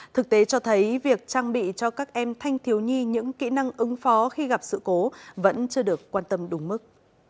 thực tế cho thấy việc trang bị cho các em thanh thiếu nhi những kỹ năng ứng phó khi gặp sự cố vẫn chưa được quan tâm đúng mức